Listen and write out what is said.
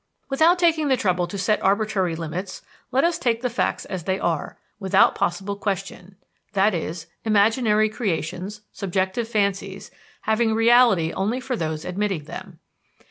Without taking the trouble to set arbitrary limits, let us take the facts as they are, without possible question, i.e., imaginary creations, subjective fancies, having reality only for those admitting them.